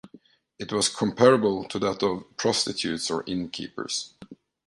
It was comparable to that of prostitutes or innkeepers.